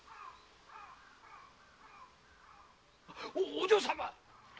お嬢様！